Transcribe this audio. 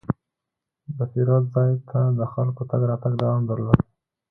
د پیرود ځای ته د خلکو تګ راتګ دوام درلود.